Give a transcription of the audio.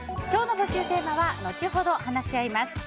今日の募集テーマは後ほど話し合います